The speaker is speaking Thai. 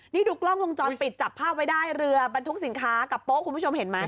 นี่ดูกล้องวงจรปิดจับภาพไว้ได้เรือบรรทุกสินค้ากับโป๊ะคุณผู้ชมเห็นไหม